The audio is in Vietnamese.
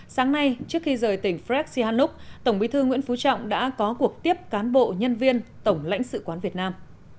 sáng nay trước khi rời tỉnh fras sihanok tổng bí thư nguyễn phú trọng đã có cuộc tiếp cán bộ nhân viên tổng lãnh sự quán việt nam